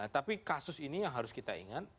tapi kasus ini yang harus kita ingat